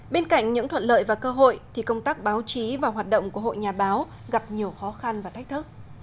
bên cạnh những thuận lợi và cơ hội thì công tác báo chí và hoạt động của hội nhà báo gặp nhiều khó khăn và thách thức